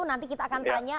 nanti kita akan tanya